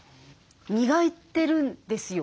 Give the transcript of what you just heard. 磨いてるんですよ。